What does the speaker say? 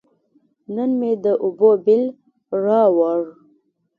نن مې د اوبو بیل راووړ.